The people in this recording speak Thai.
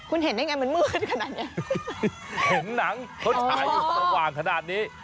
คุณเห็นได้ไงมันมืดขนาดเนี้ยเห็นหนังเขาฉายอยู่สว่างขนาดนี้